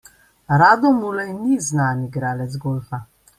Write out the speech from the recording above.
Rado Mulej ni znan igralec golfa.